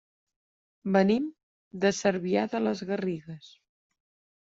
Venim de Cervià de les Garrigues.